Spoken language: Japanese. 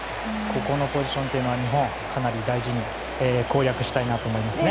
ここのポジションは日本、かなり大事に攻略したいなと思いますね。